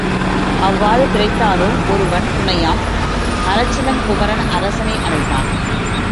அவ்வாறு பிழைத்தாருள் ஒருவன் துணையாம், அரசிளங்குமரன் அரசனை அடைந்தான்.